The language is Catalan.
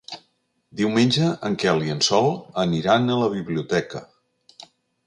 Diumenge en Quel i en Sol aniran a la biblioteca.